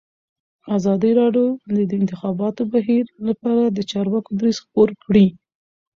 ازادي راډیو د د انتخاباتو بهیر لپاره د چارواکو دریځ خپور کړی.